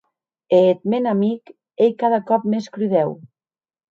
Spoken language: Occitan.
E eth mèn amic ei cada còp mès crudèu!